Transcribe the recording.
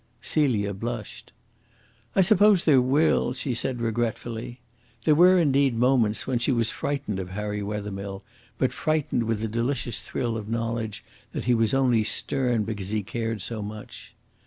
Celia blushed. "I suppose there will," she said regretfully. There were, indeed, moments when she was frightened of Harry Wethermill, but frightened with a delicious thrill of knowledge that he was only stern because he cared so much.